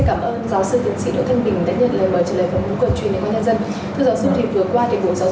với môn cuộc truyền hình của nhân dân